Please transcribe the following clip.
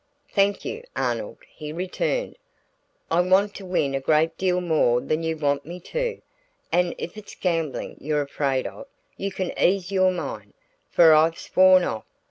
"Thank you, Arnold," he returned, "I want to win a great deal more than you want me to and if it's gambling you're afraid of, you can ease your mind, for I've sworn off.